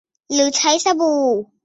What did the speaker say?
หรือใช้สบู่